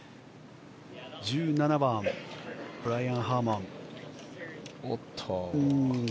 １７番ブライアン・ハーマン。